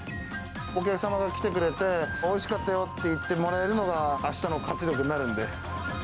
お客様が来てくれて、おいしかったよって言ってもらえるのが、あしたの活力になるんで。